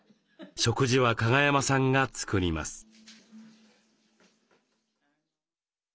食事は加賀山さんが作ります。